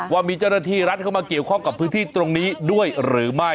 ว่ามีเจ้าหน้าที่รัฐเข้ามาเกี่ยวข้องกับพื้นที่ตรงนี้ด้วยหรือไม่